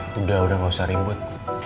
sudah tidak perlu ribut